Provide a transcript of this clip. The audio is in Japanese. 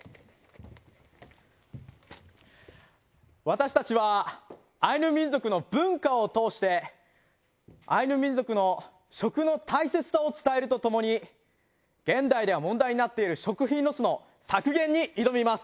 私たちはアイヌ民族の文化をとおしてアイヌ民族の食の大切さを伝えるとともに現代では問題になっている食品ロスの削減に挑みます。